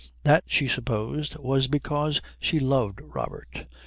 That, she supposed, was because she loved Robert.